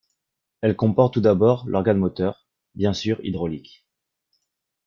Elle comporte tout d'abord l'organe moteur, bien sûr hydraulique.